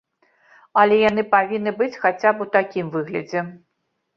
Але яны павінны быць хаця б у такім выглядзе.